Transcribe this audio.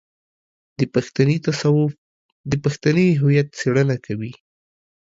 د پښتني تصوف د پښتني هويت څېړنه کوي.